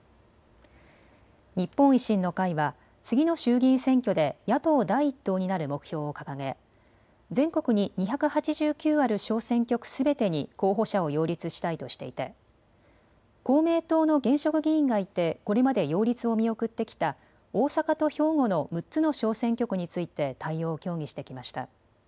日本維新の会は次の衆議院選挙で野党第一党になる目標を掲げ全国に２８９ある小選挙区すべてに候補者を擁立したいとしていて公明党の現職議員がいてこれまで擁立を見送ってきた大阪と兵庫の６つの小選挙区について対応を協議してきました。